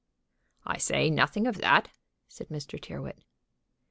"I say nothing of that," said Mr. Tyrrwhit.